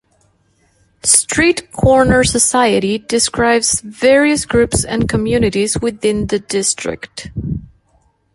"Street Corner Society" describes various groups and communities within the district.